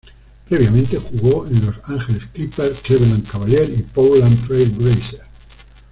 Previamente jugó en Los Angeles Clippers, Cleveland Cavaliers y Portland Trail Blazers.